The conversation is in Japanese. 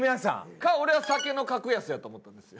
か俺は酒のカクヤスやと思ったんですよ。